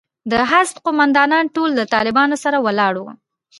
د حزب قومندانان ټول له طالبانو سره ولاړ وو.